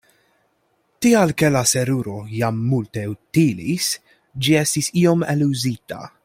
Tial ke la seruro jam multe utilis, ĝi estis iom eluzita.